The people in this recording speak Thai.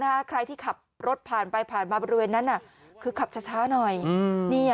ใครที่ขับรถผ่านไปผ่านมาบริเวณนั้นน่ะคือขับช้าหน่อย